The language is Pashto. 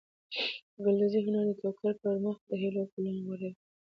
د ګلدوزۍ هنر د ټوکر پر مخ د هیلو ګلان غوړوي.